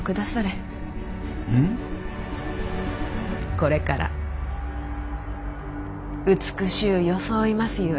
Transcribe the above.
これから美しう装いますゆえ。